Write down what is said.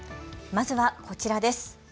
まずはこちらです。